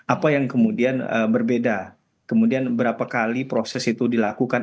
apa yang kemudian berbeda kemudian berapa kali proses itu dilakukan